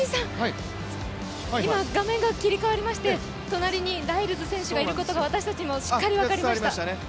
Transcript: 今画面が切り替わりまして、隣りにライルズ選手がいることが私たちもしっかり分かりました。